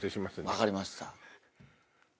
分かりました。